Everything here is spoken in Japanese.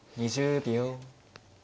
２０秒。